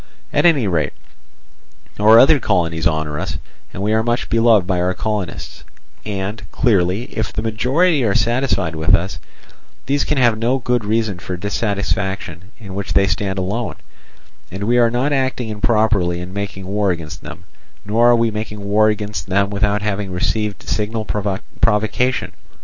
At any rate our other colonies honour us, and we are much beloved by our colonists; and clearly, if the majority are satisfied with us, these can have no good reason for a dissatisfaction in which they stand alone, and we are not acting improperly in making war against them, nor are we making war against them without having received signal provocation.